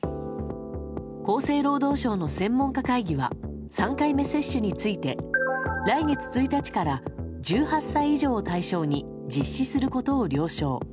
厚生労働省の専門家会議は３回目接種について来月１日から１８歳以上を対象に実施することを了承。